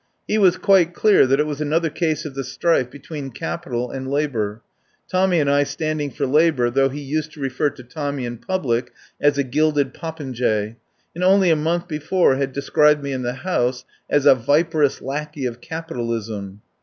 He was quite clear that it was another case of the strife be tween Capital and Labour — Tommy and I standing for Labour, though he used to refer to Tommy in public as a "gilded popinjay," and only a month before had described me in the House as a "viperous lackey of Capital ism."